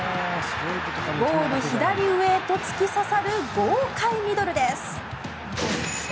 ゴール左上へと突き刺さる豪快ミドルです。